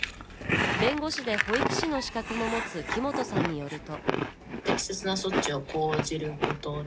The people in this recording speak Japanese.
弁護士で保育士の資格も持つ木元さんによると。